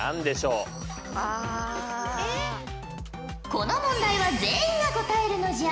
この問題は全員が答えるのじゃ。